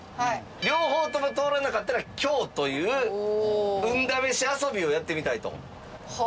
両方とも通らなかったら凶という運試し遊びをやってみたいと。